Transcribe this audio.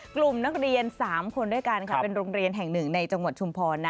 กลุ่มนักเรียน๓คนด้วยกันค่ะเป็นโรงเรียนแห่งหนึ่งในจังหวัดชุมพร